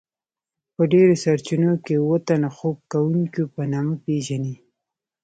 په ډیرو سرچینو کې اوه تنه خوب کوونکيو په نامه پیژني.